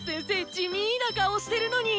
地味な顔してるのに！